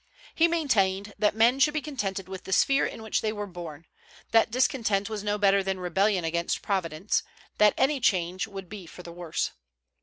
He maintained that men should be contented with the sphere in which they were born; that discontent was no better than rebellion against Providence; that any change would be for the worse.